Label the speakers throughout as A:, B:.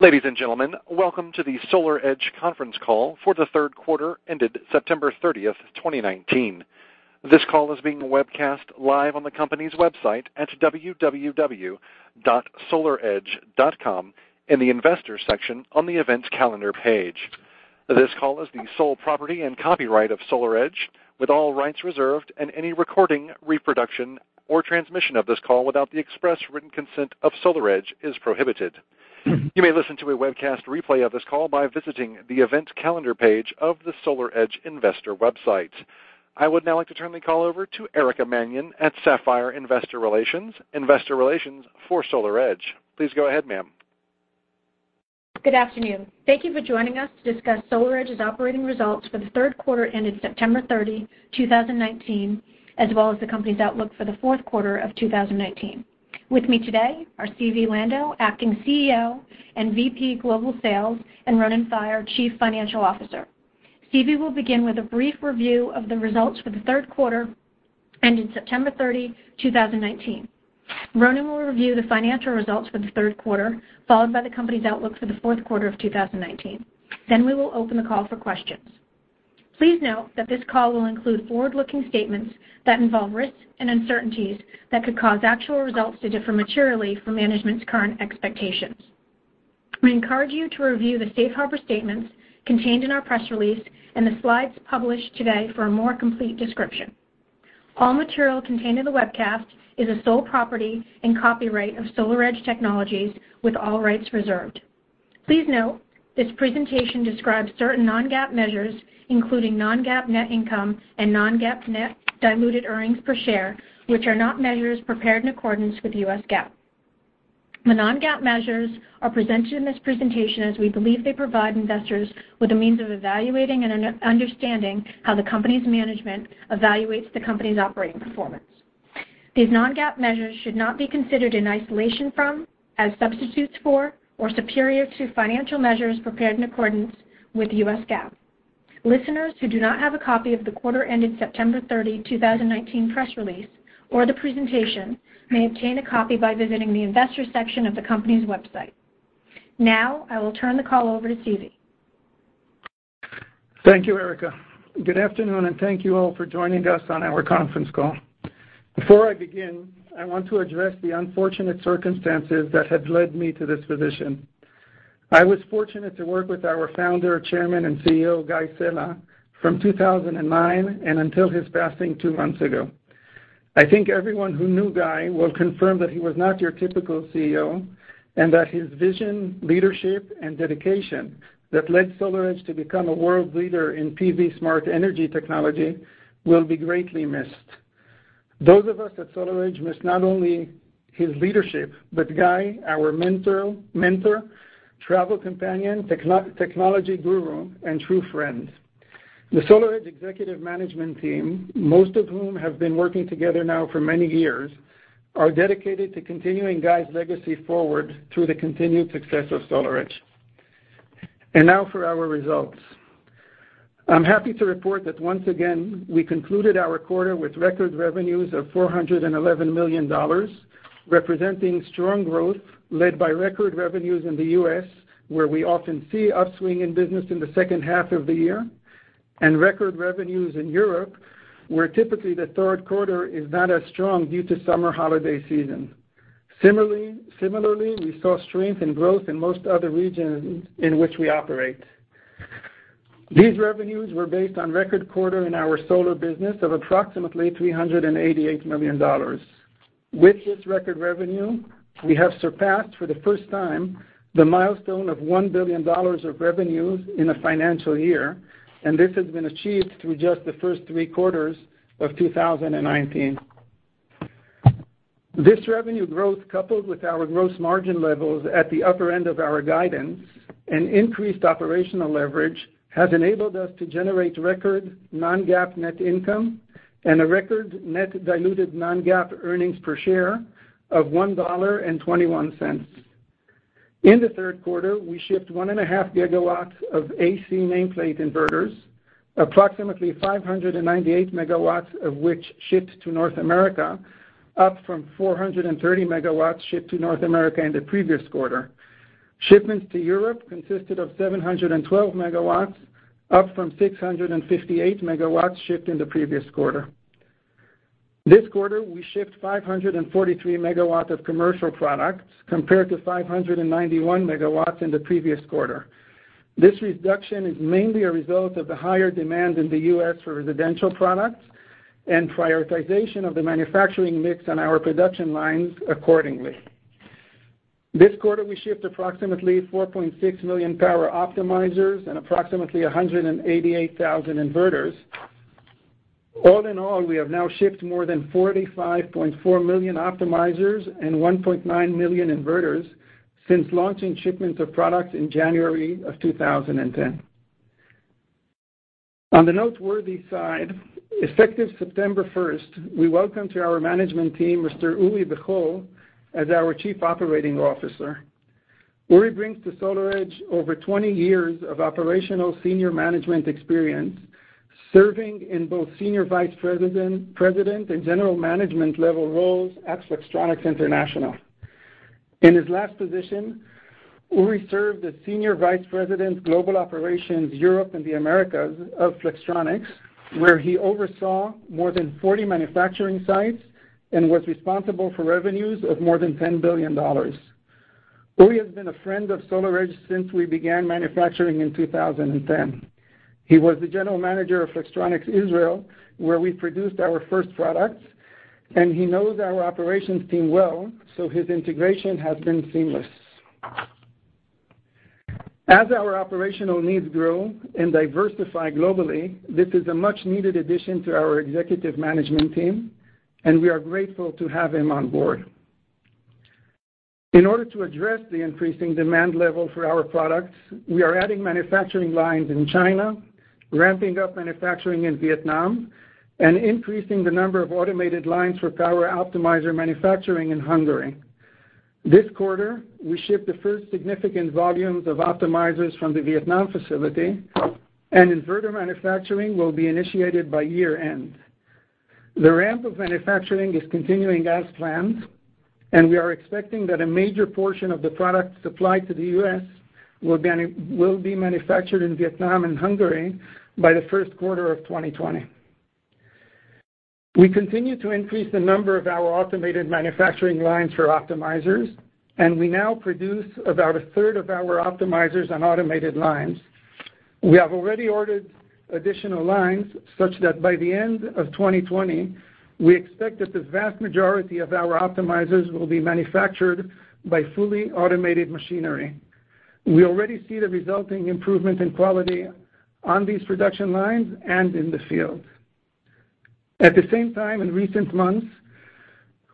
A: Ladies and gentlemen, welcome to the SolarEdge conference call for the third quarter ended September 30th, 2019. This call is being webcast live on the company's website at www.solaredge.com in the Investors section on the Events Calendar page. This call is the sole property and copyright of SolarEdge, with all rights reserved, and any recording, reproduction, or transmission of this call without the express written consent of SolarEdge is prohibited. You may listen to a webcast replay of this call by visiting the Events Calendar page of the SolarEdge investor website. I would now like to turn the call over to Erica Mannion at Sapphire Investor Relations, investor relations for SolarEdge. Please go ahead, ma'am.
B: Good afternoon. Thank you for joining us to discuss SolarEdge's operating results for the third quarter ended September 30, 2019, as well as the company's outlook for the fourth quarter of 2019. With me today are Zvi Lando, acting CEO and VP Global Sales, and Ronen Faier, Chief Financial Officer. Zvi will begin with a brief review of the results for the third quarter ended September 30, 2019. Ronen will review the financial results for the third quarter, followed by the company's outlook for the fourth quarter of 2019. We will open the call for questions. Please note that this call will include forward-looking statements that involve risks and uncertainties that could cause actual results to differ materially from management's current expectations. We encourage you to review the Safe Harbor statements contained in our press release and the slides published today for a more complete description. All material contained in the webcast is the sole property and copyright of SolarEdge Technologies, with all rights reserved. Please note, this presentation describes certain non-GAAP measures, including non-GAAP net income and non-GAAP net diluted earnings per share, which are not measures prepared in accordance with US GAAP. The non-GAAP measures are presented in this presentation as we believe they provide investors with a means of evaluating and understanding how the company's management evaluates the company's operating performance. These non-GAAP measures should not be considered in isolation from, as substitutes for, or superior to financial measures prepared in accordance with US GAAP. Listeners who do not have a copy of the quarter ended September 30, 2019, press release or the presentation may obtain a copy by visiting the Investors section of the company's website. Now, I will turn the call over to Zvi.
C: Thank you, Erica. Good afternoon, thank you all for joining us on our conference call. Before I begin, I want to address the unfortunate circumstances that have led me to this position. I was fortunate to work with our founder, Chairman, and CEO, Guy Sella, from 2009 and until his passing two months ago. I think everyone who knew Guy will confirm that he was not your typical CEO and that his vision, leadership, and dedication that led SolarEdge to become a world leader in PV smart energy technology will be greatly missed. Those of us at SolarEdge miss not only his leadership, but Guy, our mentor, travel companion, technology guru, and true friend. The SolarEdge executive management team, most of whom have been working together now for many years, are dedicated to continuing Guy's legacy forward through the continued success of SolarEdge. Now for our results. I'm happy to report that once again, we concluded our quarter with record revenues of $411 million, representing strong growth led by record revenues in the U.S., where we often see upswing in business in the second half of the year, and record revenues in Europe, where typically the third quarter is not as strong due to summer holiday season. Similarly, we saw strength in growth in most other regions in which we operate. These revenues were based on record quarter in our solar business of approximately $388 million. With this record revenue, we have surpassed for the first time the milestone of $1 billion of revenues in a financial year, and this has been achieved through just the first three quarters of 2019. This revenue growth, coupled with our gross margin levels at the upper end of our guidance and increased operational leverage, has enabled us to generate record non-GAAP net income and a record net diluted non-GAAP earnings per share of $1.21. In the third quarter, we shipped 1.5 gigawatts of AC nameplate inverters, approximately 598 megawatts of which shipped to North America, up from 430 megawatts shipped to North America in the previous quarter. Shipments to Europe consisted of 712 megawatts, up from 658 megawatts shipped in the previous quarter. This quarter, we shipped 543 megawatts of commercial products, compared to 591 megawatts in the previous quarter. This reduction is mainly a result of the higher demand in the U.S. for residential products and prioritization of the manufacturing mix on our production lines accordingly. This quarter, we shipped approximately 4.6 million power optimizers and approximately 188,000 inverters. All in all, we have now shipped more than 45.4 million optimizers and 1.9 million inverters since launching shipments of products in January of 2010. On the noteworthy side, effective September 1st, we welcome to our management team Mr. Uri Bechor as our Chief Operating Officer. Uri brings to SolarEdge over 20 years of operational senior management experience, serving in both Senior Vice President and general management level roles at Flextronics International. In his last position, Uri served as Senior Vice President, Global Operations, Europe and the Americas of Flextronics, where he oversaw more than 40 manufacturing sites and was responsible for revenues of more than $10 billion. Uri has been a friend of SolarEdge since we began manufacturing in 2010. He was the general manager of Flextronics Israel, where we produced our first products, and he knows our operations team well, so his integration has been seamless. As our operational needs grow and diversify globally, this is a much-needed addition to our executive management team, and we are grateful to have him on board. In order to address the increasing demand level for our products, we are adding manufacturing lines in China, ramping up manufacturing in Vietnam, and increasing the number of automated lines for power optimizer manufacturing in Hungary. This quarter, we shipped the first significant volumes of optimizers from the Vietnam facility, and inverter manufacturing will be initiated by year-end. The ramp of manufacturing is continuing as planned, and we are expecting that a major portion of the product supplied to the U.S. will be manufactured in Vietnam and Hungary by the first quarter of 2020. We continue to increase the number of our automated manufacturing lines for optimizers, and we now produce about a third of our optimizers on automated lines. We have already ordered additional lines such that by the end of 2020, we expect that the vast majority of our optimizers will be manufactured by fully automated machinery. We already see the resulting improvement in quality on these production lines and in the field. At the same time, in recent months,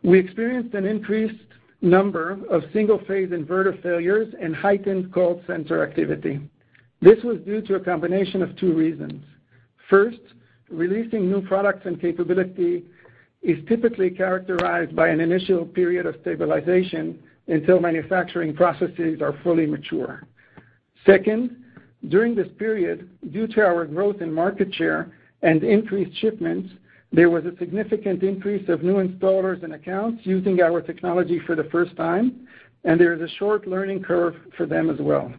C: we experienced an increased number of single-phase inverter failures and heightened call center activity. This was due to a combination of two reasons. First, releasing new products and capability is typically characterized by an initial period of stabilization until manufacturing processes are fully mature. Second, during this period, due to our growth in market share and increased shipments, there was a significant increase of new installers and accounts using our technology for the first time, and there is a short learning curve for them as well.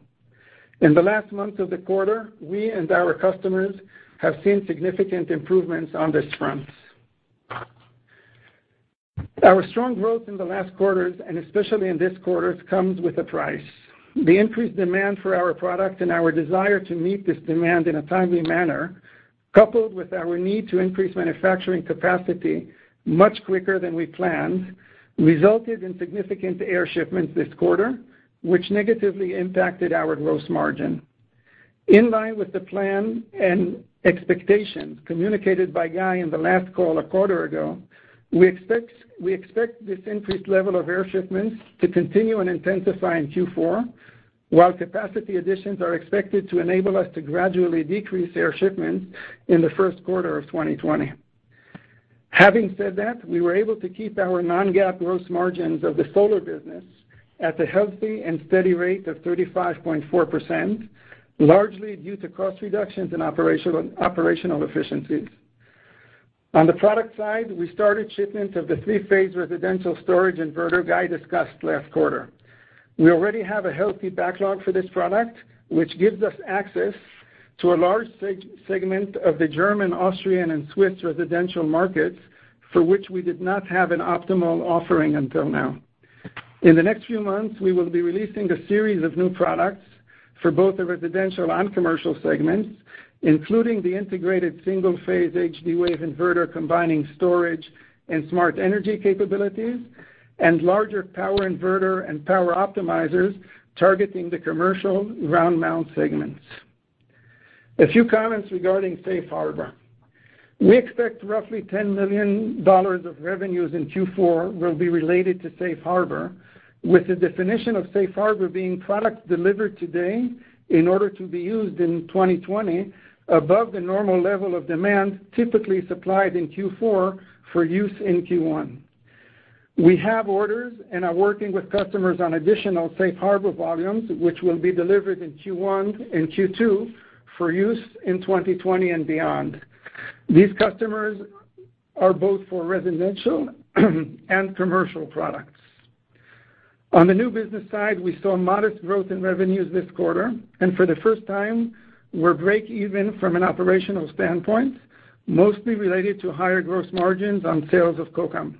C: In the last months of the quarter, we and our customers have seen significant improvements on this front. Our strong growth in the last quarters, and especially in this quarter, comes with a price. The increased demand for our product and our desire to meet this demand in a timely manner, coupled with our need to increase manufacturing capacity much quicker than we planned, resulted in significant air shipments this quarter, which negatively impacted our gross margin. In line with the plan and expectations communicated by Guy in the last call a quarter ago, we expect this increased level of air shipments to continue and intensify in Q4, while capacity additions are expected to enable us to gradually decrease air shipments in the first quarter of 2020. Having said that, we were able to keep our non-GAAP gross margins of the solar business at a healthy and steady rate of 35.4%, largely due to cost reductions and operational efficiencies. On the product side, we started shipments of the three-phase residential storage inverter Guy discussed last quarter. We already have a healthy backlog for this product, which gives us access to a large segment of the German, Austrian, and Swiss residential markets, for which we did not have an optimal offering until now. In the next few months, we will be releasing a series of new products for both the residential and commercial segments, including the integrated single-phase HD-Wave inverter, combining storage and smart energy capabilities, and larger power inverter and power optimizers targeting the commercial ground mount segments. A few comments regarding Safe Harbor. We expect roughly $10 million of revenues in Q4 will be related to Safe Harbor, with the definition of Safe Harbor being product delivered today in order to be used in 2020 above the normal level of demand typically supplied in Q4 for use in Q1. We have orders and are working with customers on additional Safe Harbor volumes, which will be delivered in Q1 and Q2 for use in 2020 and beyond. These customers are both for residential and commercial products. On the new business side, we saw modest growth in revenues this quarter, and for the first time, we're break even from an operational standpoint, mostly related to higher gross margins on sales of Kokam.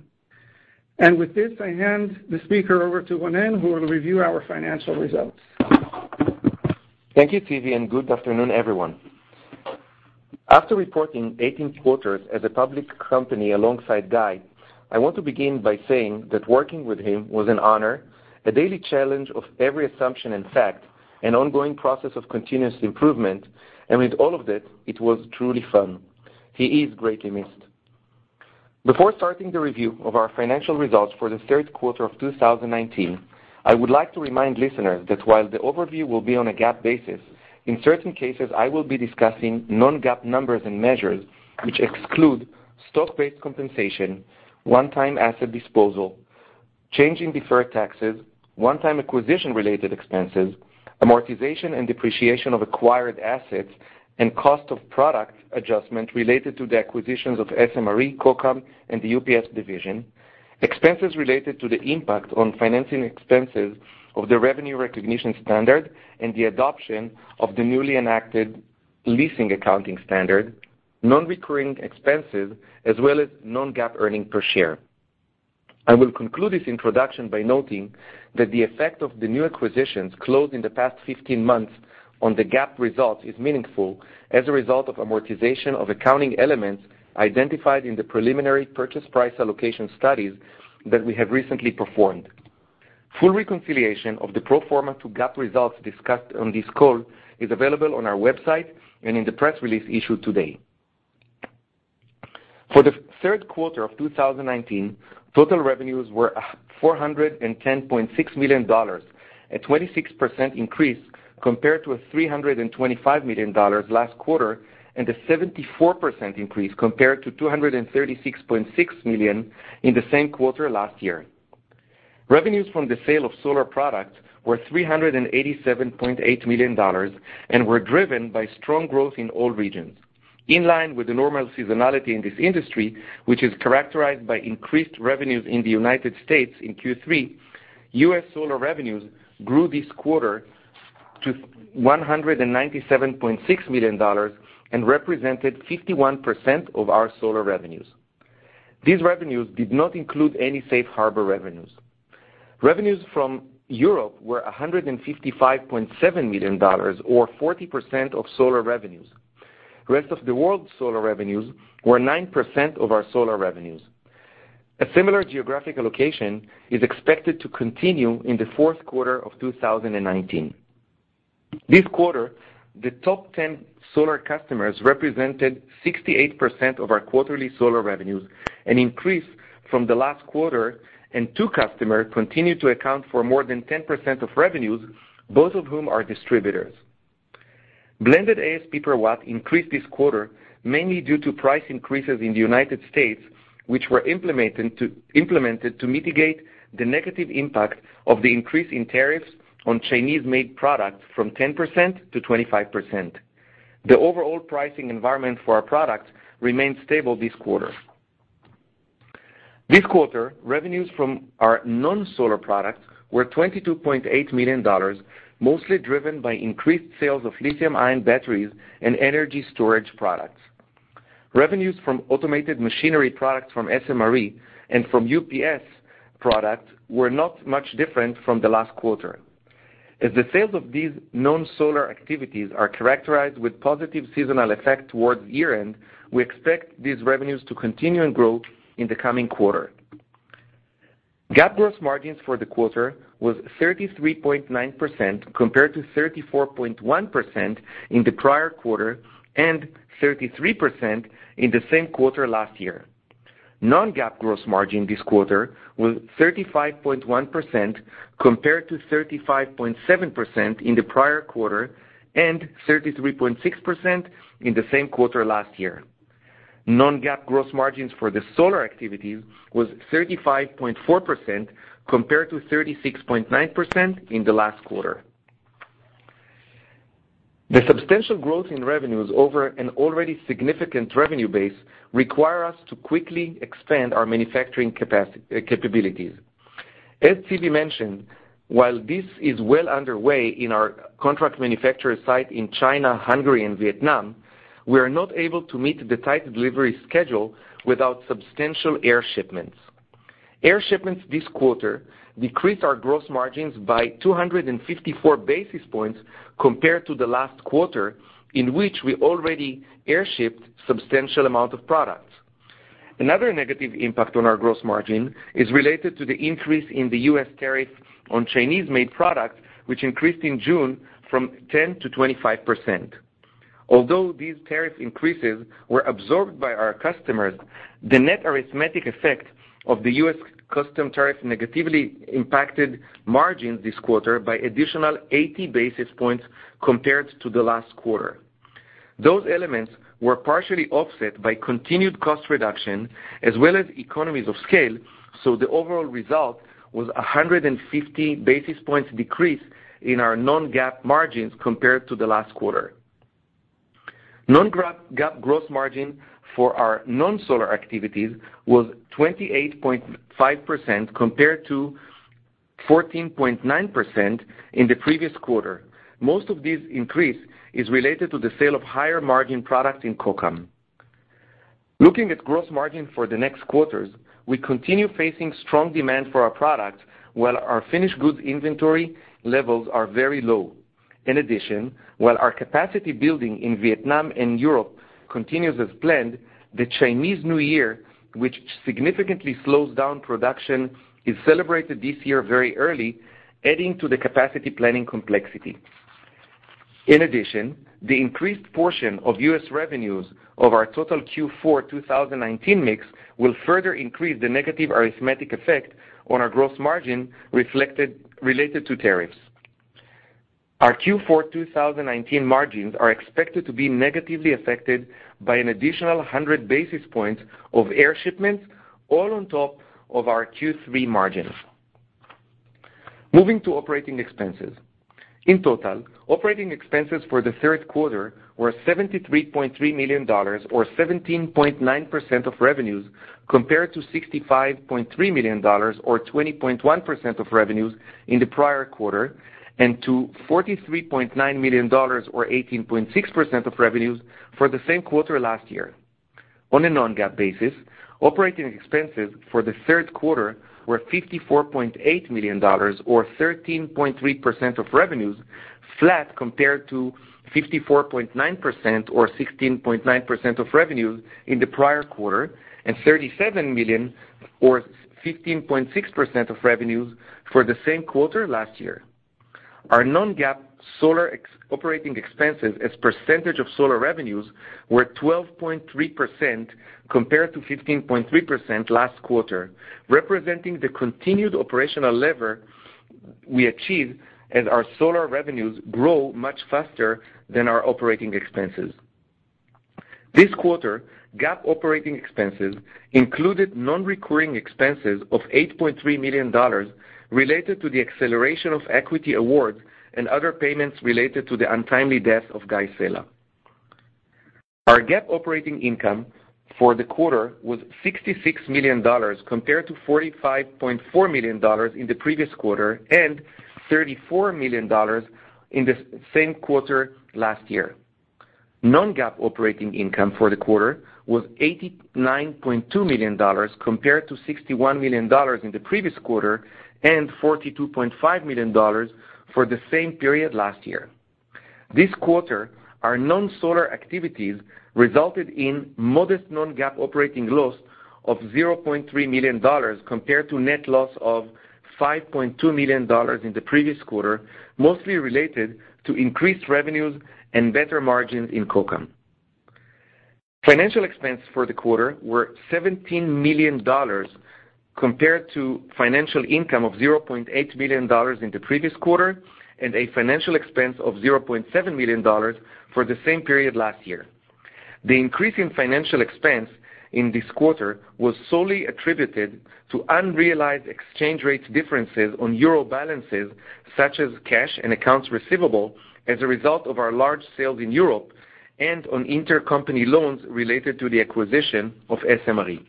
C: With this, I hand the speaker over to Ronen, who will review our financial results.
D: Thank you, Zvi, good afternoon, everyone. After reporting 18 quarters as a public company alongside Guy, I want to begin by saying that working with him was an honor, a daily challenge of every assumption and fact, an ongoing process of continuous improvement, and with all of it was truly fun. He is greatly missed. Before starting the review of our financial results for the third quarter of 2019, I would like to remind listeners that while the overview will be on a GAAP basis, in certain cases, I will be discussing non-GAAP numbers and measures which exclude stock-based compensation, one-time asset disposal, changing deferred taxes, one-time acquisition related expenses, amortization and depreciation of acquired assets, and cost of product adjustment related to the acquisitions of SMRE, Kokam, and the UPS division. Expenses related to the impact on financing expenses of the revenue recognition standard and the adoption of the newly enacted leasing accounting standard, non-recurring expenses, as well as non-GAAP earnings per share. I will conclude this introduction by noting that the effect of the new acquisitions closed in the past 15 months on the GAAP result is meaningful as a result of amortization of accounting elements identified in the preliminary purchase price allocation studies that we have recently performed. Full reconciliation of the pro forma to GAAP results discussed on this call is available on our website and in the press release issued today. For the third quarter of 2019, total revenues were $410.6 million, a 26% increase compared to $325 million last quarter and a 74% increase compared to $236.6 million in the same quarter last year. Revenues from the sale of solar products were $387.8 million and were driven by strong growth in all regions. In line with the normal seasonality in this industry, which is characterized by increased revenues in the United States in Q3, U.S. solar revenues grew this quarter to $197.6 million and represented 51% of our solar revenues. These revenues did not include any safe harbor revenues. Revenues from Europe were $155.7 million, or 40% of solar revenues. Rest of the world solar revenues were 9% of our solar revenues. A similar geographic allocation is expected to continue in the fourth quarter of 2019. This quarter, the top 10 solar customers represented 68% of our quarterly solar revenues, an increase from the last quarter, and two customers continued to account for more than 10% of revenues, both of whom are distributors. Blended ASP per watt increased this quarter, mainly due to price increases in the United States, which were implemented to mitigate the negative impact of the increase in tariffs on Chinese-made products from 10%-25%. The overall pricing environment for our products remained stable this quarter. This quarter, revenues from our non-solar products were $22.8 million, mostly driven by increased sales of lithium-ion batteries and energy storage products. Revenues from automated machinery products from SMRE and from UPS products were not much different from the last quarter. As the sales of these non-solar activities are characterized with positive seasonal effect towards year-end, we expect these revenues to continue and grow in the coming quarter. GAAP gross margins for the quarter was 33.9%, compared to 34.1% in the prior quarter and 33% in the same quarter last year. Non-GAAP gross margin this quarter was 35.1%, compared to 35.7% in the prior quarter and 33.6% in the same quarter last year. Non-GAAP gross margins for the solar activities was 35.4%, compared to 36.9% in the last quarter. The substantial growth in revenues over an already significant revenue base require us to quickly expand our manufacturing capabilities. As Zvi mentioned, while this is well underway in our contract manufacturer site in China, Hungary, and Vietnam, we are not able to meet the tight delivery schedule without substantial air shipments. Air shipments this quarter decreased our gross margins by 254 basis points compared to the last quarter, in which we already air shipped substantial amount of products. Another negative impact on our gross margin is related to the increase in the US tariff on Chinese-made products, which increased in June from 10% to 25%. Although these tariff increases were absorbed by our customers, the net arithmetic effect of the U.S. custom tariffs negatively impacted margins this quarter by additional 80 basis points compared to the last quarter. Those elements were partially offset by continued cost reduction as well as economies of scale, the overall result was 150 basis points decrease in our non-GAAP margins compared to the last quarter. Non-GAAP gross margin for our non-solar activities was 28.5%, compared to 14.9% in the previous quarter. Most of this increase is related to the sale of higher margin product in Kokam. Looking at gross margin for the next quarters, we continue facing strong demand for our products while our finished goods inventory levels are very low. In addition, while our capacity building in Vietnam and Europe continues as planned, the Chinese New Year, which significantly slows down production, is celebrated this year very early, adding to the capacity planning complexity. In addition, the increased portion of U.S. revenues over our total Q4 2019 mix will further increase the negative arithmetic effect on our gross margin related to tariffs. Our Q4 2019 margins are expected to be negatively affected by an additional 100 basis points of air shipments, all on top of our Q3 margins. Moving to operating expenses. In total, operating expenses for the third quarter were $73.3 million, or 17.9% of revenues, compared to $65.3 million, or 20.1% of revenues in the prior quarter, and to $43.9 million or 18.6% of revenues for the same quarter last year. On a non-GAAP basis, operating expenses for the third quarter were $54.8 million or 13.3% of revenues, flat compared to $54.9 million or 16.9% of revenues in the prior quarter, and $37 million or 15.6% of revenues for the same quarter last year. Our non-GAAP solar operating expenses as percentage of solar revenues were 12.3% compared to 15.3% last quarter, representing the continued operational lever we achieved as our solar revenues grow much faster than our operating expenses. This quarter, GAAP operating expenses included non-recurring expenses of $8.3 million related to the acceleration of equity awards and other payments related to the untimely death of Guy Sella. Our GAAP operating income for the quarter was $66 million, compared to $45.4 million in the previous quarter and $34 million in the same quarter last year. Non-GAAP operating income for the quarter was $89.2 million, compared to $61 million in the previous quarter and $42.5 million for the same period last year. This quarter, our non-solar activities resulted in modest non-GAAP operating loss of $0.3 million compared to net loss of $5.2 million in the previous quarter, mostly related to increased revenues and better margins in Kokam. Financial expense for the quarter were $17 million compared to financial income of $0.8 million in the previous quarter and a financial expense of $0.7 million for the same period last year. The increase in financial expense in this quarter was solely attributed to unrealized exchange rate differences on euro balances, such as cash and accounts receivable as a result of our large sales in Europe and on intercompany loans related to the acquisition of SMRE.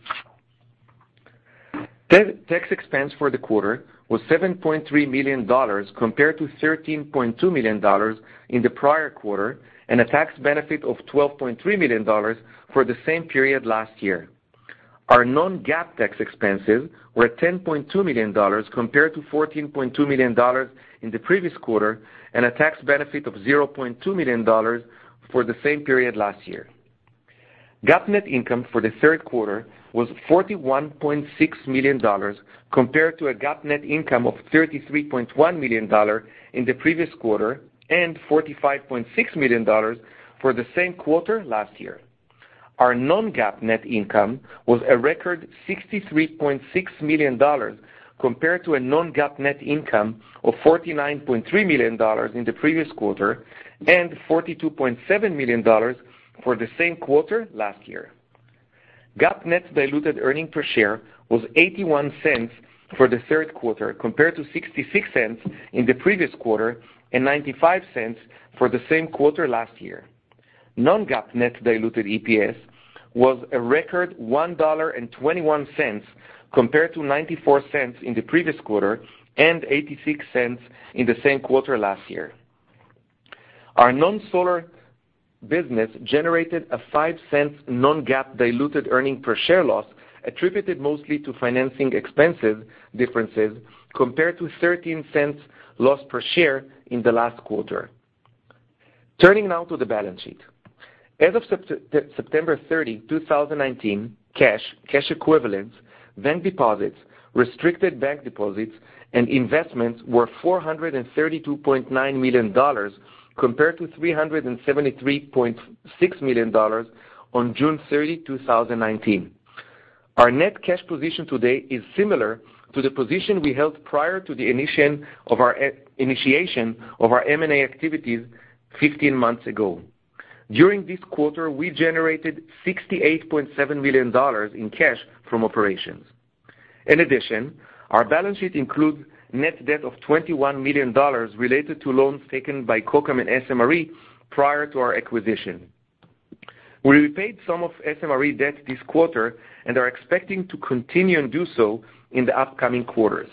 D: Tax expense for the quarter was $7.3 million compared to $13.2 million in the prior quarter and a tax benefit of $12.3 million for the same period last year. Our non-GAAP tax expenses were $10.2 million compared to $14.2 million in the previous quarter, and a tax benefit of $0.2 million for the same period last year. GAAP net income for the third quarter was $41.6 million compared to a GAAP net income of $33.1 million in the previous quarter and $45.6 million for the same quarter last year. Our non-GAAP net income was a record $63.6 million compared to a non-GAAP net income of $49.3 million in the previous quarter and $42.7 million for the same quarter last year. GAAP net diluted earning per share was $0.81 for the third quarter, compared to $0.66 in the previous quarter and $0.95 for the same quarter last year. Non-GAAP net diluted EPS was a record $1.21 compared to $0.94 in the previous quarter and $0.86 in the same quarter last year. Our non-solar business generated a $0.05 non-GAAP diluted earning per share loss attributed mostly to financing expensive differences compared to $0.13 loss per share in the last quarter. Turning now to the balance sheet. As of September 30th, 2019, cash equivalents, bank deposits, restricted bank deposits and investments were $432.9 million compared to $373.6 million on June 30, 2019. Our net cash position today is similar to the position we held prior to the initiation of our M&A activities 15 months ago. During this quarter, we generated $68.7 million in cash from operations. In addition, our balance sheet includes net debt of $21 million related to loans taken by Kokam and SMRE prior to our acquisition. We repaid some of SMRE debt this quarter and are expecting to continue and do so in the upcoming quarters.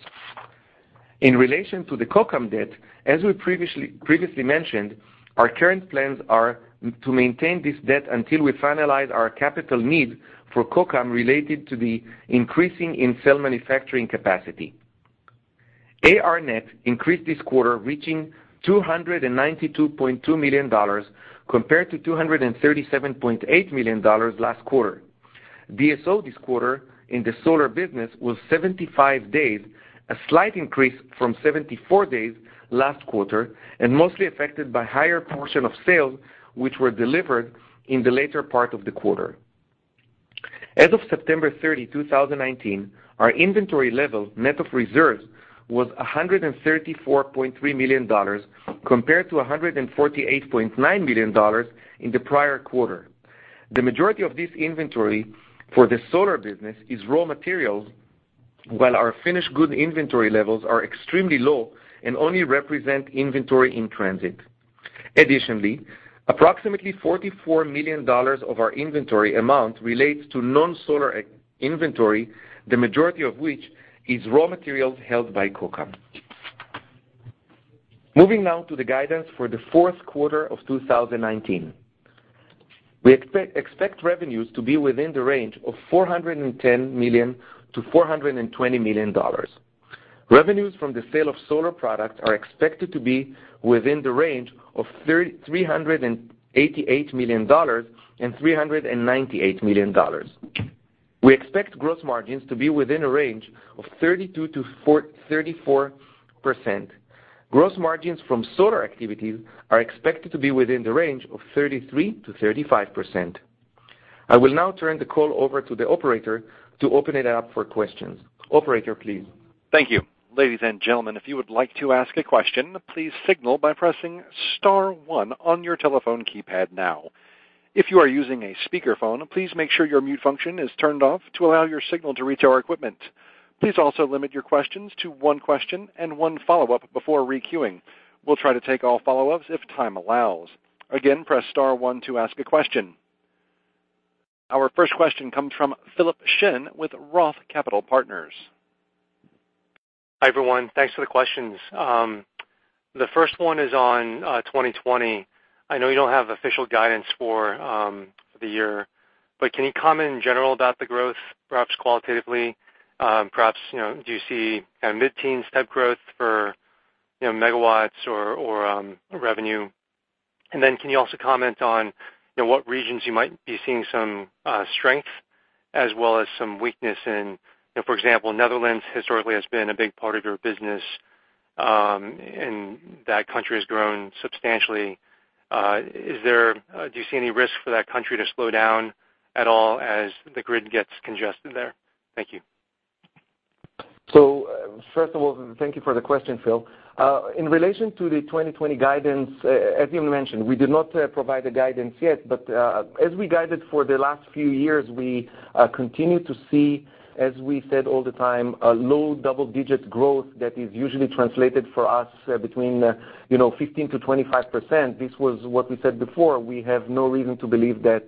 D: In relation to the Kokam debt, as we previously mentioned, our current plans are to maintain this debt until we finalize our capital need for Kokam related to the increasing in cell manufacturing capacity. AR net increased this quarter reaching $292.2 million compared to $237.8 million last quarter. DSO this quarter in the solar business was 75 days, a slight increase from 74 days last quarter and mostly affected by higher portion of sales, which were delivered in the later part of the quarter. As of September 30, 2019, our inventory level, net of reserves, was $134.3 million compared to $148.9 million in the prior quarter. The majority of this inventory for the solar business is raw materials, while our finished goods inventory levels are extremely low and only represent inventory in transit. Additionally, approximately $44 million of our inventory amount relates to non-solar inventory, the majority of which is raw materials held by Kokam. Moving now to the guidance for the fourth quarter of 2019. We expect revenues to be within the range of $410 million-$420 million. Revenues from the sale of solar products are expected to be within the range of $388 million-$398 million. We expect gross margins to be within a range of 32%-34%. Gross margins from solar activities are expected to be within the range of 33%-35%. I will now turn the call over to the operator to open it up for questions. Operator, please.
A: Thank you. Ladies and gentlemen, if you would like to ask a question, please signal by pressing *1 on your telephone keypad now. If you are using a speakerphone, please make sure your mute function is turned off to allow your signal to reach our equipment. Please also limit your questions to one question and one follow-up before re-queuing. We'll try to take all follow-ups if time allows. Again, press *1 to ask a question. Our first question comes from Philip Shen with Roth Capital Partners.
E: Hi, everyone. Thanks for the questions. The first one is on 2020. I know you don't have official guidance for the year, but can you comment in general about the growth, perhaps qualitatively? Perhaps, do you see mid-teens type growth for megawatts or revenue? Can you also comment on what regions you might be seeing some strength as well as some weakness in? For example, Netherlands historically has been a big part of your business, and that country has grown substantially. Do you see any risk for that country to slow down at all as the grid gets congested there? Thank you.
D: First of all, thank you for the question, Philip. In relation to the 2020 guidance, as you mentioned, we did not provide the guidance yet. As we guided for the last few years, we continue to see, as we said all the time, a low double-digit growth that is usually translated for us between 15%-25%. This was what we said before. We have no reason to believe that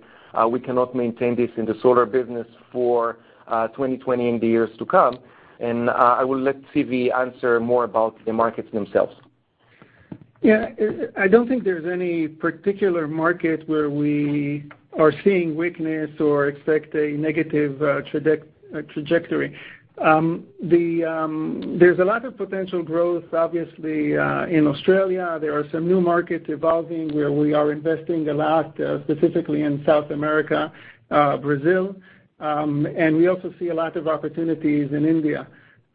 D: we cannot maintain this in the solar business for 2020 and the years to come. I will let Zvi answer more about the markets themselves.
C: Yeah. I don't think there's any particular market where we are seeing weakness or expect a negative trajectory. There's a lot of potential growth, obviously, in Australia. There are some new markets evolving where we are investing a lot, specifically in South America, Brazil, and we also see a lot of opportunities in India.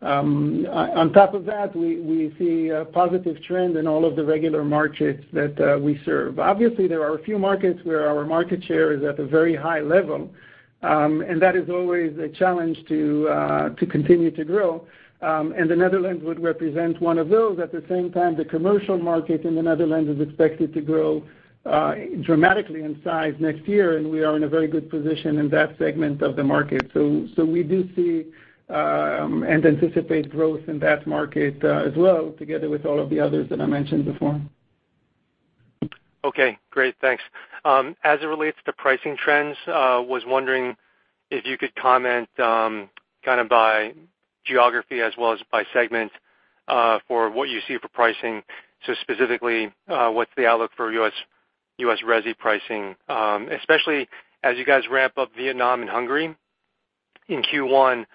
C: On top of that, we see a positive trend in all of the regular markets that we serve. Obviously, there are a few markets where our market share is at a very high level, and that is always a challenge to continue to grow. The Netherlands would represent one of those. At the same time, the commercial market in the Netherlands is expected to grow dramatically in size next year, and we are in a very good position in that segment of the market. We do see and anticipate growth in that market as well, together with all of the others that I mentioned before.
E: Okay, great. Thanks. As it relates to pricing trends, I was wondering if you could comment kind of by geography as well as by segment for what you see for pricing. Specifically, what's the outlook for U.S. resi pricing, especially as you guys ramp up Vietnam and Hungary in Q1.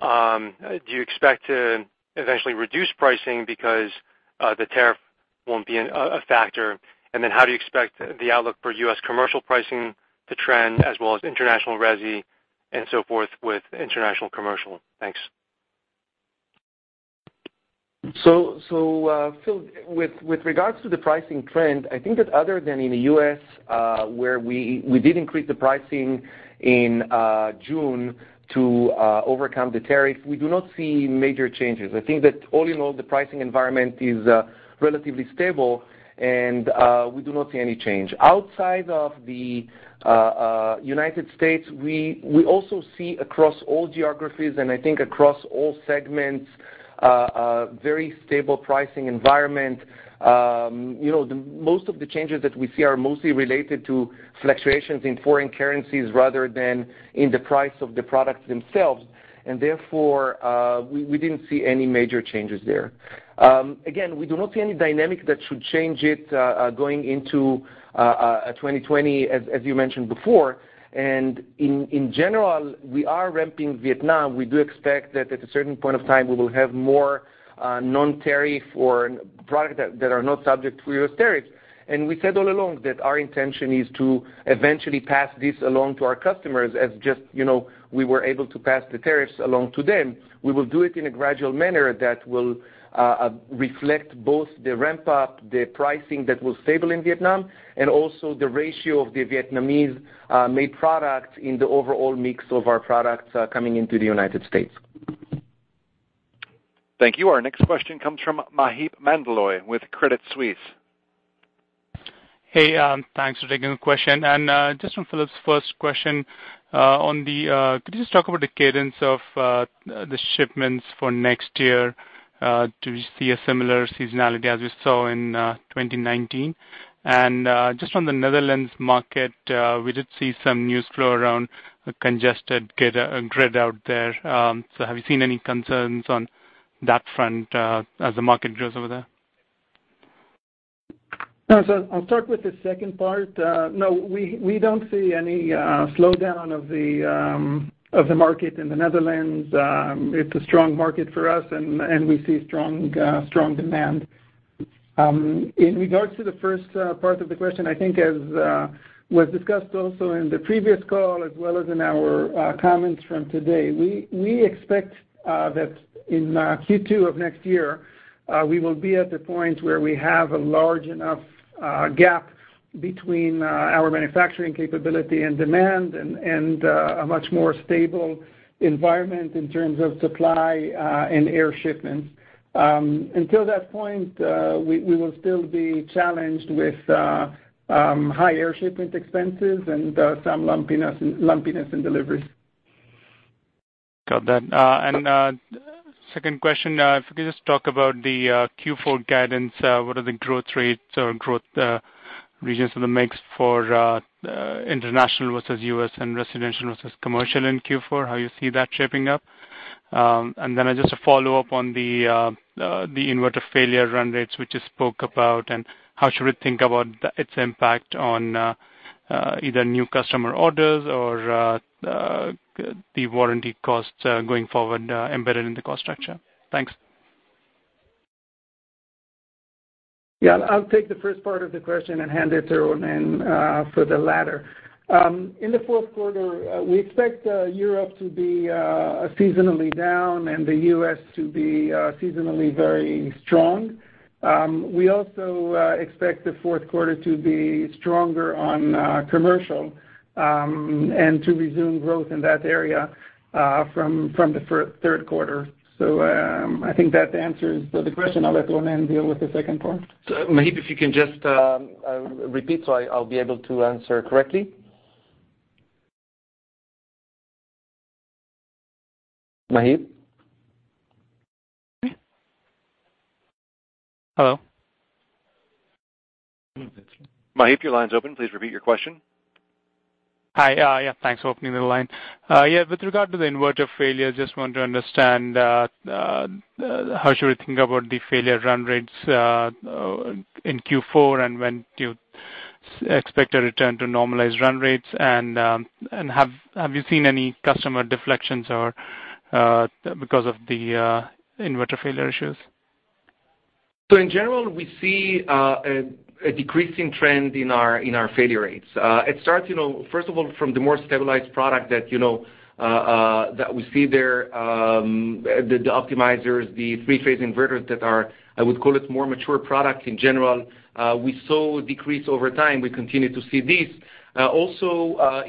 E: Do you expect to eventually reduce pricing because the tariff won't be a factor? How do you expect the outlook for U.S. commercial pricing to trend as well as international resi and so forth with international commercial? Thanks.
D: Phil, with regards to the pricing trend, I think that other than in the U.S., where we did increase the pricing in June to overcome the tariff, we do not see major changes. I think that all in all, the pricing environment is relatively stable, and we do not see any change. Outside of the United States, we also see across all geographies, and I think across all segments, a very stable pricing environment. Most of the changes that we see are mostly related to fluctuations in foreign currencies rather than in the price of the products themselves, and therefore, we didn't see any major changes there. Again, we do not see any dynamic that should change it going into 2020, as you mentioned before. In general, we are ramping Vietnam. We do expect that at a certain point of time, we will have more non-tariff or products that are not subject to U.S. tariffs. We said all along that our intention is to eventually pass this along to our customers as just, we were able to pass the tariffs along to them. We will do it in a gradual manner that will reflect both the ramp-up, the pricing that was stable in Vietnam, and also the ratio of the Vietnamese-made products in the overall mix of our products coming into the U.S.
A: Thank you. Our next question comes from Maheep Mandloi with Credit Suisse.
F: Hey, thanks for taking the question. Just from Philip's first question, could you just talk about the cadence of the shipments for next year? Do you see a similar seasonality as we saw in 2019? Just on the Netherlands market, we did see some news flow around a congested grid out there. Have you seen any concerns on that front as the market grows over there?
C: No. I'll start with the second part. No, we don't see any slowdown of the market in the Netherlands. It's a strong market for us, and we see strong demand. In regards to the first part of the question, I think as was discussed also in the previous call, as well as in our comments from today, we expect that in Q2 of next year, we will be at the point where we have a large enough gap between our manufacturing capability and demand and a much more stable environment in terms of supply and air shipments. Until that point, we will still be challenged with high air shipment expenses and some lumpiness in deliveries.
F: Got that. Second question, if you could just talk about the Q4 guidance. What are the growth rates or growth regions of the mix for international versus U.S. and residential versus commercial in Q4, how you see that shaping up? Then just a follow-up on the inverter failure run rates, which you spoke about, and how should we think about its impact on either new customer orders or the warranty costs going forward embedded in the cost structure? Thanks.
C: Yeah, I'll take the first part of the question and hand it to Ronen for the latter. In the fourth quarter, we expect Europe to be seasonally down and the U.S. to be seasonally very strong. We also expect the fourth quarter to be stronger on commercial and to resume growth in that area from the third quarter. I think that answers the question. I'll let Ronen deal with the second part.
D: Maheep, if you can just repeat so I'll be able to answer correctly. Maheep?
F: Hello?
A: Maheep, your line's open. Please repeat your question.
F: Hi. Yeah, thanks for opening the line. Yeah, with regard to the inverter failure, just want to understand how should we think about the failure run rates in Q4, and when do you expect a return to normalized run rates, and have you seen any customer deflections because of the inverter failure issues?
D: In general, we see a decreasing trend in our failure rates. It starts, first of all, from the more stabilized product that we see there, the optimizers, the three-phase inverters that are, I would call it, more mature product in general. We saw a decrease over time. We continue to see this. In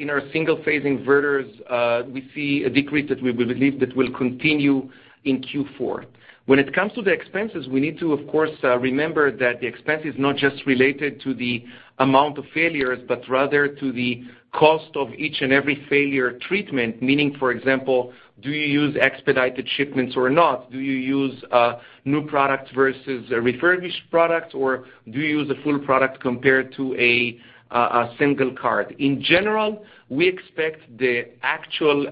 D: our single-phase inverters, we see a decrease that we believe that will continue in Q4. When it comes to the expenses, we need to, of course, remember that the expense is not just related to the amount of failures, but rather to the cost of each and every failure treatment. Meaning, for example, do you use expedited shipments or not? Do you use a new product versus a refurbished product? Do you use a full product compared to a single card? In general, we expect the actual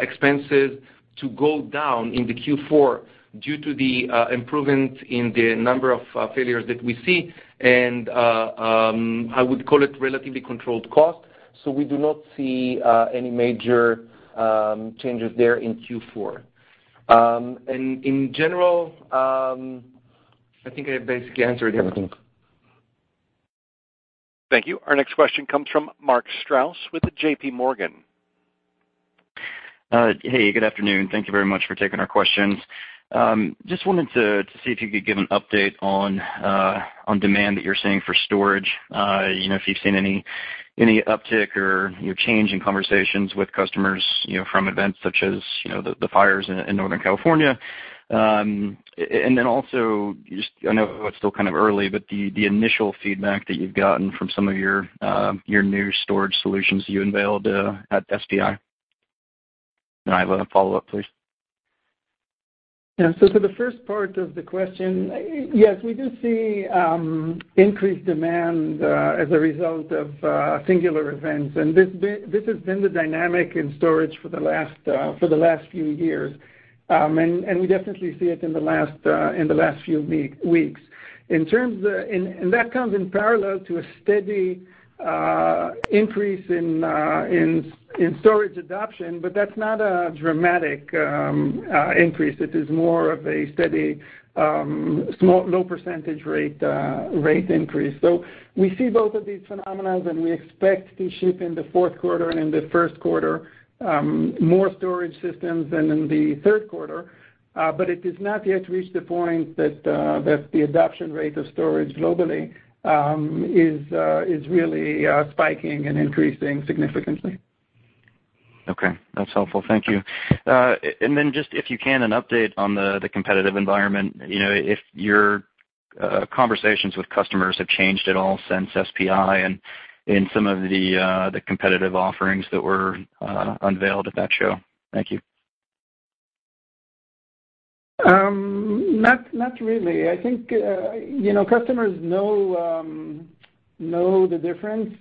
D: expenses to go down into Q4 due to the improvement in the number of failures that we see and, I would call it, relatively controlled cost. We do not see any major changes there in Q4. In general, I think I basically answered everything.
A: Thank you. Our next question comes from Mark Strouse with JPMorgan.
G: Hey, good afternoon. Thank you very much for taking our questions. Just wanted to see if you could give an update on demand that you're seeing for storage, if you've seen any uptick or change in conversations with customers from events such as the fires in Northern California. Also, I know it's still kind of early, but the initial feedback that you've gotten from some of your new storage solutions you unveiled at SPI. I have a follow-up, please.
C: Yeah. For the first part of the question, yes, we do see increased demand as a result of singular events, and this has been the dynamic in storage for the last few years. We definitely see it in the last few weeks. That comes in parallel to a steady increase in storage adoption, but that's not a dramatic increase. It is more of a steady, low percentage rate increase. We see both of these phenomena, and we expect to ship in the fourth quarter and in the first quarter more storage systems than in the third quarter. It has not yet reached the point that the adoption rate of storage globally is really spiking and increasing significantly.
G: Okay, that's helpful. Thank you. Just if you can, an update on the competitive environment. If your conversations with customers have changed at all since SPI and in some of the competitive offerings that were unveiled at that show. Thank you.
C: Not really. I think customers know the difference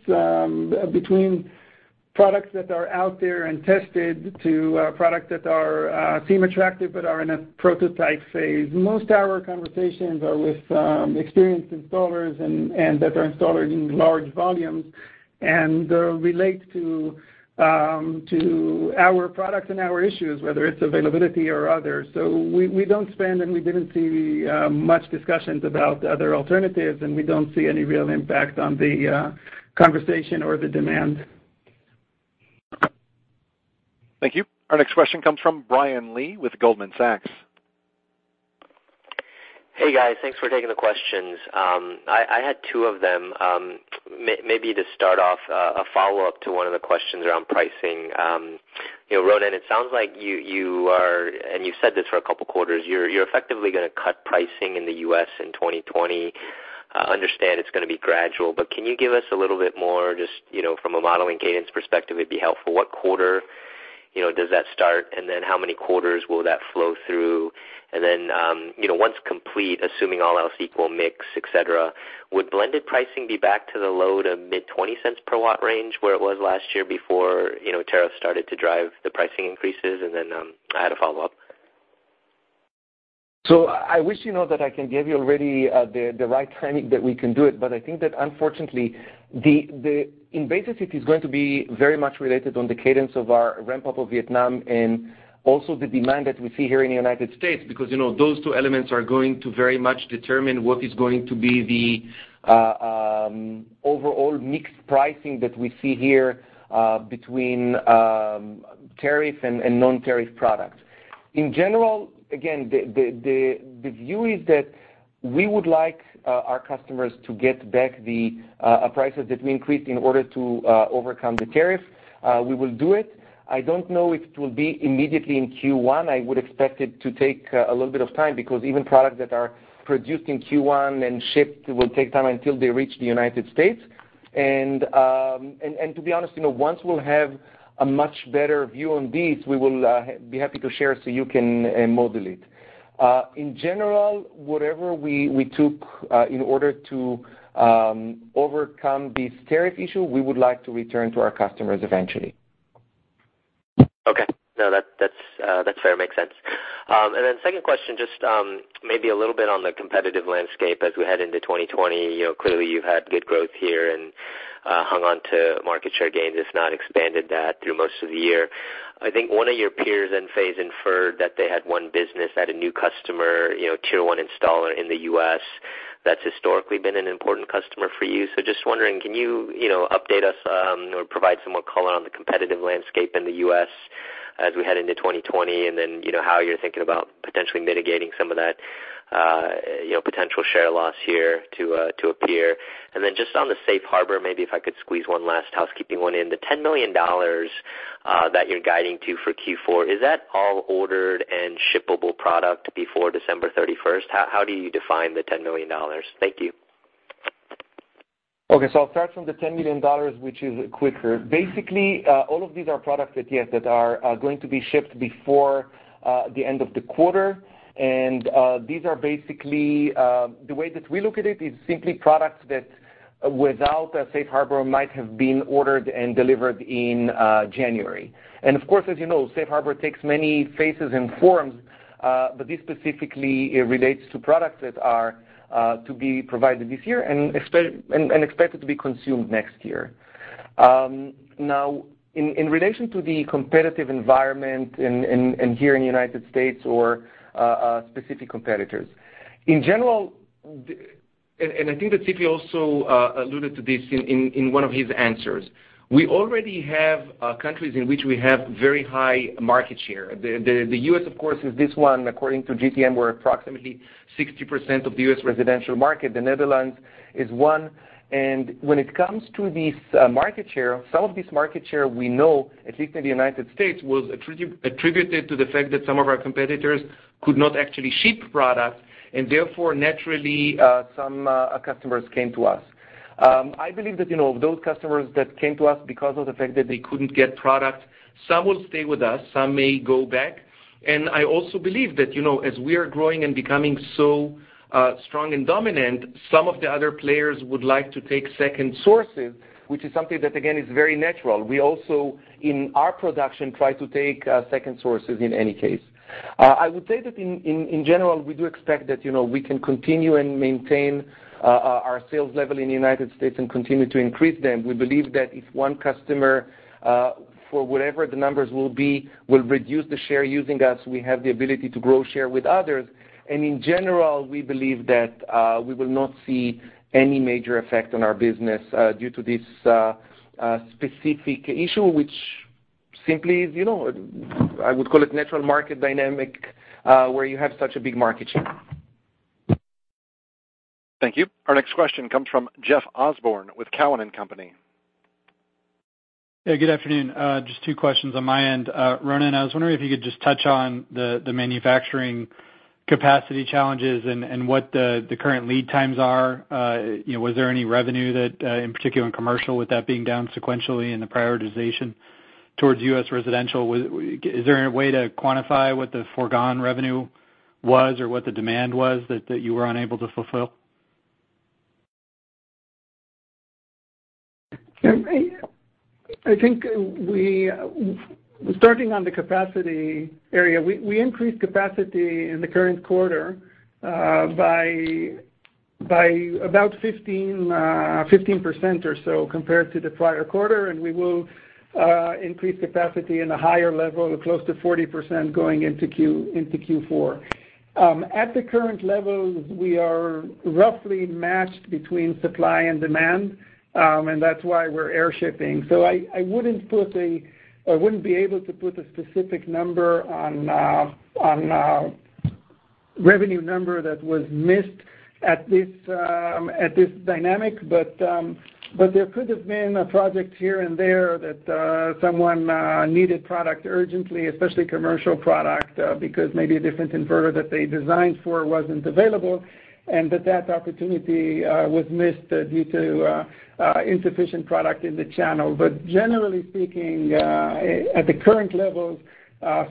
C: between products that are out there and tested to products that seem attractive but are in a prototype phase. Most our conversations are with experienced installers and that are installers in large volumes and relate to our products and our issues, whether it's availability or other. We don't spend, and we didn't see much discussions about other alternatives, and we don't see any real impact on the conversation or the demand.
A: Thank you. Our next question comes from Brian Lee with Goldman Sachs.
H: Hey, guys. Thanks for taking the questions. I had two of them. Maybe to start off, a follow-up to one of the questions around pricing. Ronen, it sounds like you are, and you've said this for a couple of quarters, you're effectively going to cut pricing in the U.S. in 2020. I understand it's going to be gradual, but can you give us a little bit more just from a modeling cadence perspective, it'd be helpful. What quarter does that start? How many quarters will that flow through? Once complete, assuming all else equal mix, et cetera, would blended pricing be back to the low to mid $0.20 per watt range where it was last year before tariffs started to drive the pricing increases? I had a follow-up.
D: I wish you know that I can give you already the right timing that we can do it. I think that unfortunately, in basic, it is going to be very much related on the cadence of our ramp-up of Vietnam and also the demand that we see here in the United States, because those two elements are going to very much determine what is going to be the overall mix pricing that we see here between tariff and non-tariff products. In general, again, the view is that we would like our customers to get back the prices that we increased in order to overcome the tariff. We will do it. I don't know if it will be immediately in Q1. I would expect it to take a little bit of time because even products that are produced in Q1 and shipped will take time until they reach the United States. To be honest, once we'll have a much better view on this, we will be happy to share so you can model it. In general, whatever we took in order to overcome this tariff issue, we would like to return to our customers eventually.
H: Okay. No, that's fair. Makes sense. Second question, just maybe a little bit on the competitive landscape as we head into 2020. Clearly, you've had good growth here and hung on to market share gains, if not expanded that through most of the year. I think one of your peers then Enphase inferred that they had one business, had a new customer, tier 1 installer in the U.S. that's historically been an important customer for you. Just wondering, can you update us or provide some more color on the competitive landscape in the U.S. as we head into 2020? How you're thinking about potentially mitigating some of that potential share loss here to appear. Just on the Safe Harbor, maybe if I could squeeze one last housekeeping one in. The $10 million that you're guiding to for Q4, is that all ordered and shippable product before December 31st? How do you define the $10 million? Thank you.
D: Okay, I'll start from the $10 million, which is quicker. Basically, all of these are products that, yes, that are going to be shipped before the end of the quarter. These are basically, the way that we look at it, is simply products that without a Safe Harbor, might have been ordered and delivered in January. Of course, as you know, Safe Harbor takes many faces and forms, but this specifically relates to products that are to be provided this year and expected to be consumed next year. Now, in relation to the competitive environment and here in the U.S. or specific competitors. In general, I think that Zvi also alluded to this in one of his answers. We already have countries in which we have very high market share. The U.S., of course, is this one. According to GTM, we're approximately 60% of the U.S. residential market. The Netherlands is one. When it comes to this market share, some of this market share we know, at least in the United States, was attributed to the fact that some of our competitors could not actually ship products, therefore, naturally, some customers came to us. I believe that those customers that came to us because of the fact that they couldn't get product, some will stay with us, some may go back. I also believe that as we are growing and becoming so strong and dominant, some of the other players would like to take second sources, which is something that, again, is very natural. We also, in our production, try to take second sources in any case. I would say that in general, we do expect that we can continue and maintain our sales level in the United States and continue to increase them. We believe that if one customer, for whatever the numbers will be, will reduce the share using us, we have the ability to grow share with others. In general, we believe that we will not see any major effect on our business due to this specific issue, which simply is, I would call it natural market dynamic, where you have such a big market share.
A: Thank you. Our next question comes from Jeff Osborne with Cowen and Company.
I: Yeah, good afternoon. Just two questions on my end. Ronen, I was wondering if you could just touch on the manufacturing capacity challenges and what the current lead times are. Was there any revenue that, in particular in commercial, with that being down sequentially and the prioritization towards U.S. residential, is there a way to quantify what the foregone revenue was or what the demand was that you were unable to fulfill?
C: I think, starting on the capacity area, we increased capacity in the current quarter by about 15% or so compared to the prior quarter. We will increase capacity in a higher level, close to 40%, going into Q4. At the current levels, we are roughly matched between supply and demand, and that's why we're air shipping. I wouldn't be able to put a specific number on revenue number that was missed at this dynamic. There could have been a project here and there that someone needed product urgently, especially commercial product, because maybe a different inverter that they designed for wasn't available, and that opportunity was missed due to insufficient product in the channel. Generally speaking, at the current levels,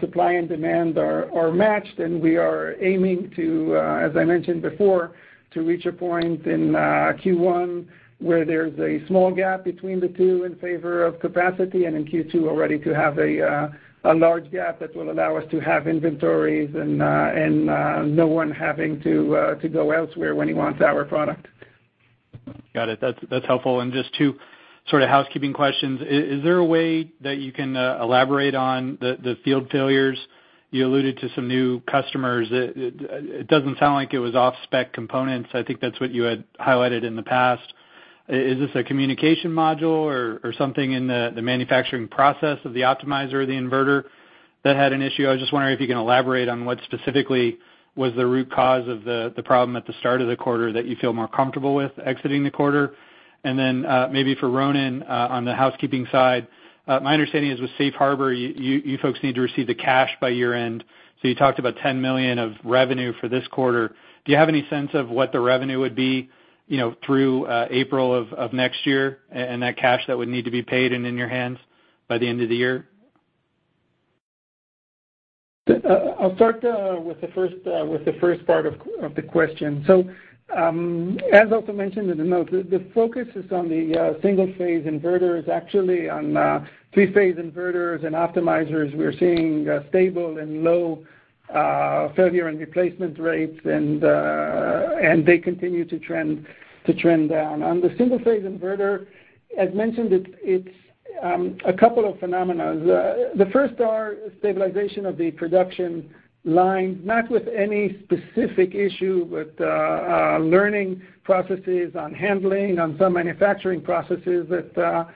C: supply and demand are matched. We are aiming to, as I mentioned before, to reach a point in Q1 where there's a small gap between the two in favor of capacity, and in Q2 already to have a large gap that will allow us to have inventories and no one having to go elsewhere when he wants our product.
I: Got it. That's helpful. Just two sort of housekeeping questions. Is there a way that you can elaborate on the field failures? You alluded to some new customers. It doesn't sound like it was off-spec components. I think that's what you had highlighted in the past. Is this a communication module or something in the manufacturing process of the optimizer or the inverter that had an issue? I was just wondering if you can elaborate on what specifically was the root cause of the problem at the start of the quarter that you feel more comfortable with exiting the quarter. Maybe for Ronen, on the housekeeping side, my understanding is with Safe Harbor, you folks need to receive the cash by year-end. You talked about $10 million of revenue for this quarter. Do you have any sense of what the revenue would be through April of next year and that cash that would need to be paid and in your hands by the end of the year?
C: I'll start with the first part of the question. As also mentioned in the note, the focus is on the single-phase inverters. Actually, on 3-phase inverters and optimizers, we're seeing stable and low failure and replacement rates, and they continue to trend down. On the single-phase inverter, as mentioned, it's a couple of phenomenas. The first are stabilization of the production line, not with any specific issue, but learning processes on handling, on some manufacturing processes that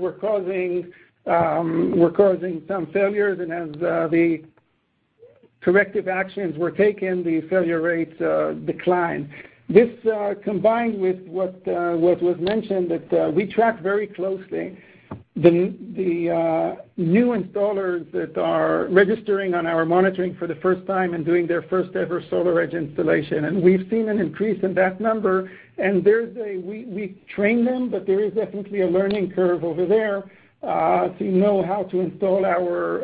C: were causing some failures. As the corrective actions were taken, the failure rates declined. This, combined with what was mentioned, that we track very closely the new installers that are registering on our monitoring for the first time and doing their first-ever SolarEdge installation. We've seen an increase in that number. We train them, but there is definitely a learning curve over there to know how to install our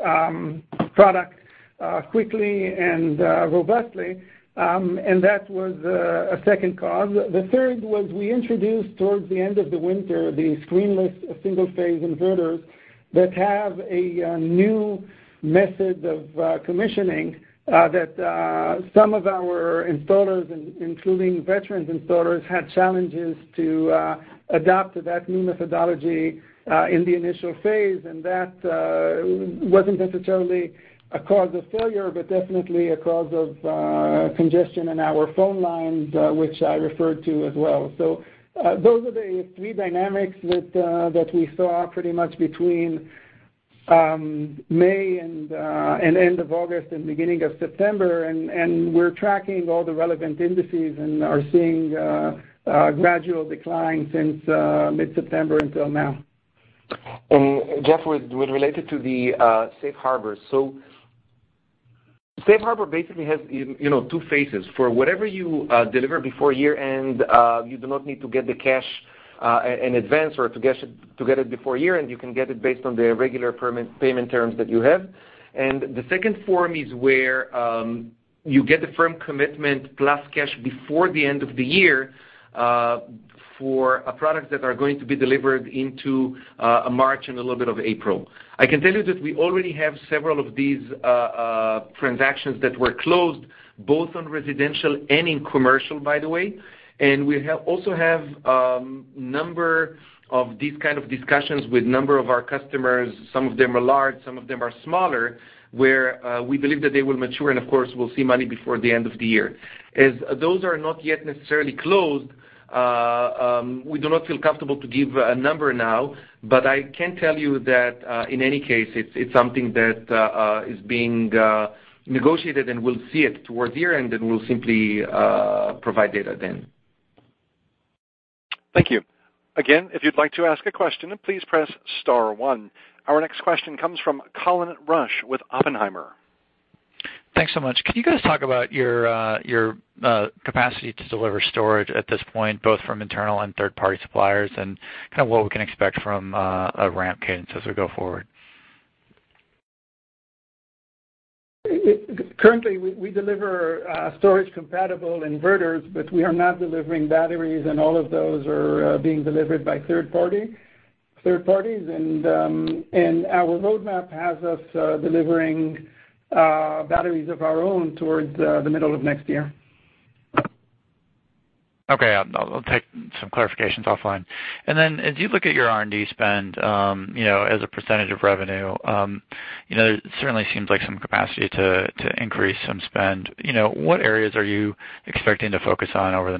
C: product quickly and robustly. That was a second cause. The third was we introduced, towards the end of the winter, the screen-less single-phase inverters that have a new method of commissioning that some of our installers, including veteran installers, had challenges to adapt to that new methodology in the initial phase. That wasn't necessarily a cause of failure, but definitely a cause of congestion in our phone lines, which I referred to as well. Those are the three dynamics that we saw pretty much between May and end of August and beginning of September. We're tracking all the relevant indices and are seeing a gradual decline since mid-September until now.
D: Jeff, with related to the Safe Harbor. Safe Harbor basically has two phases. For whatever you deliver before year-end, you do not need to get the cash in advance or to get it before year-end. You can get it based on the regular payment terms that you have. The second form is where you get the firm commitment plus cash before the end of the year for products that are going to be delivered into March and a little bit of April. I can tell you that we already have several of these transactions that were closed, both on residential and in commercial, by the way. We also have a number of these kind of discussions with a number of our customers, some of them are large, some of them are smaller, where we believe that they will mature and, of course, we'll see money before the end of the year. As those are not yet necessarily closed, we do not feel comfortable to give a number now. I can tell you that, in any case, it's something that is being negotiated, and we'll see it towards the year-end, and we'll simply provide data then.
A: Thank you. Again, if you'd like to ask a question, please press star one. Our next question comes from Colin Rusch with Oppenheimer.
J: Thanks so much. Can you guys talk about your capacity to deliver storage at this point, both from internal and third-party suppliers, and what we can expect from a ramp cadence as we go forward?
C: Currently, we deliver storage-compatible inverters, but we are not delivering batteries, and all of those are being delivered by third parties. Our roadmap has us delivering batteries of our own towards the middle of next year.
J: Okay. I'll take some clarifications offline. As you look at your R&D spend as a % of revenue, it certainly seems like some capacity to increase some spend. What areas are you expecting to focus on over the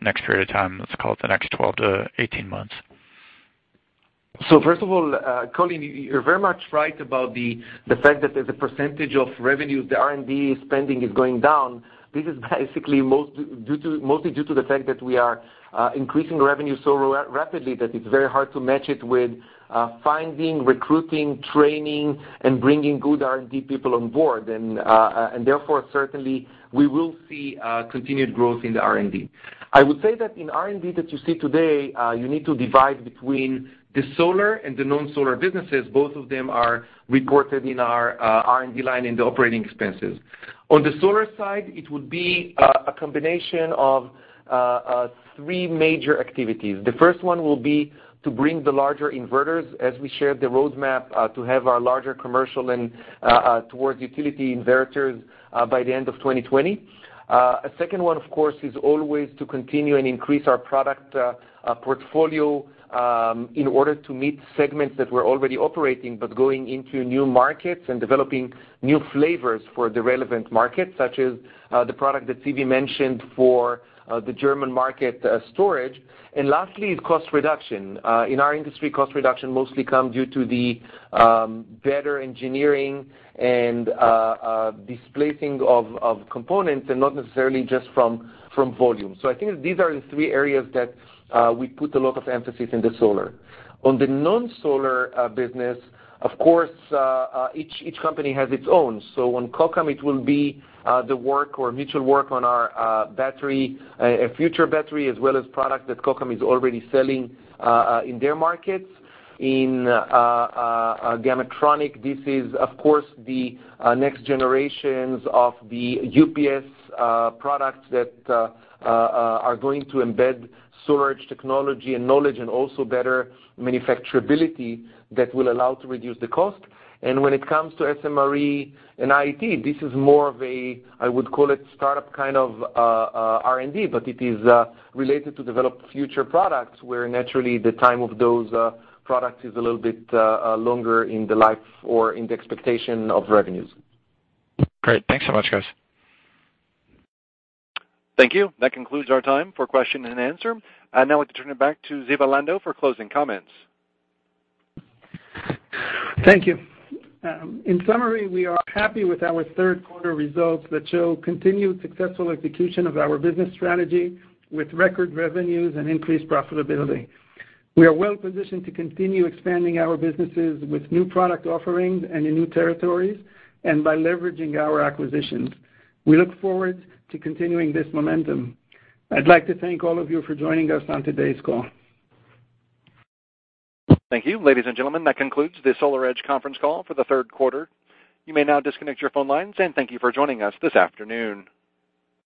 J: next period of time, let's call it the next 12-18 months?
D: First of all, Colin, you're very much right about the fact that as a % of revenue, the R&D spending is going down. This is basically mostly due to the fact that we are increasing revenue so rapidly that it's very hard to match it with finding, recruiting, training, and bringing good R&D people on board. Therefore, certainly, we will see continued growth in the R&D. I would say that in R&D that you see today, you need to divide between the solar and the non-solar businesses. Both of them are reported in our R&D line in the operating expenses. On the solar side, it would be a combination of three major activities. The first one will be to bring the larger inverters, as we shared the roadmap, to have our larger commercial and towards utility inverters by the end of 2020. A second one, of course, is always to continue and increase our product portfolio in order to meet segments that we're already operating but going into new markets and developing new flavors for the relevant markets, such as the product that Zvi mentioned for the German market storage. Lastly, is cost reduction. In our industry, cost reduction mostly comes due to the better engineering and displacing of components and not necessarily just from volume. I think these are the three areas that we put a lot of emphasis into solar. On the non-solar business, of course, each company has its own. On Kokam, it will be the work or mutual work on our future battery, as well as product that Kokam is already selling in their markets. In Gamatronic, this is, of course, the next generations of the UPS products that are going to embed storage technology and knowledge and also better manufacturability that will allow to reduce the cost. When it comes to SMRE and IET, this is more of a, I would call it, startup kind of R&D, but it is related to develop future products where naturally the time of those products is a little bit longer in the life or in the expectation of revenues.
J: Great. Thanks so much, guys.
A: Thank you. That concludes our time for question and answer. I now want to turn it back to Zvi Lando for closing comments.
C: Thank you. In summary, we are happy with our third quarter results that show continued successful execution of our business strategy with record revenues and increased profitability. We are well positioned to continue expanding our businesses with new product offerings and in new territories and by leveraging our acquisitions. We look forward to continuing this momentum. I'd like to thank all of you for joining us on today's call.
A: Thank you. Ladies and gentlemen, that concludes the SolarEdge conference call for the third quarter. You may now disconnect your phone lines, and thank you for joining us this afternoon.